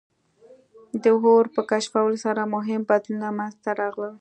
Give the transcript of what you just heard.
د اور په کشفولو سره مهم بدلونونه منځ ته راغلل.